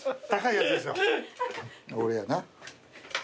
俺やな。